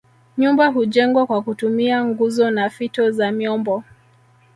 Nyumba hujengwa kwa kutumia nguzo na fito za miombo